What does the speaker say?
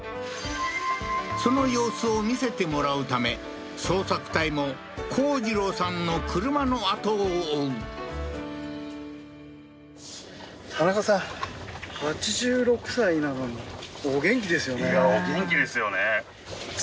その様子を見せてもらうため捜索隊も幸次郎さんの車のあとを追ういやお元気ですよね